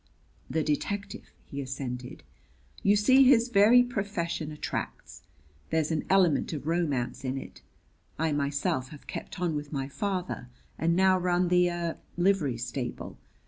"The detective," he assented. "You see his very profession attracts. There's an element of romance in it. I myself have kept on with my father and now run the er livery stable.